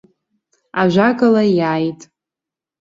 Ажәакала, иааит!